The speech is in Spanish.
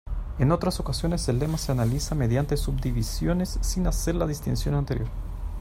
En otras ocasiones, el lema se analiza mediante subdivisiones sin hacer la distinción anterior.